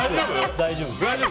大丈夫です。